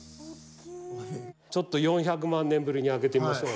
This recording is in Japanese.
ちょっと４００万年ぶりに開けてみましょう。